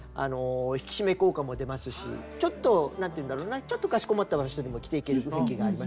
引き締め効果も出ますしちょっと何ていうんだろうなちょっとかしこまった場所にも着ていける雰囲気がありますよね？